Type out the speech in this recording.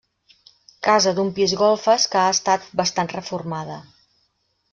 Casa d'un pis golfes que ha estat bastant reformada.